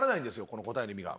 この答えの意味が。